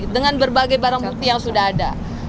dengan berbagai barang bukti yang sudah ada